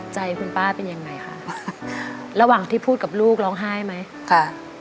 ใจคุณป้าเป็นยังไงคะระหว่างที่พูดกับลูกร้องไห้ไหมค่ะ